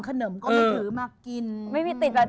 แล้วขนมขนมก็มาถือมากินครับ